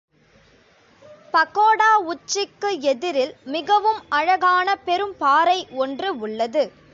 பகோடா உச்சிக்கு எதிரில் மிகவும் அழகான பெரும்பாறை ஒன்று உள்ளது.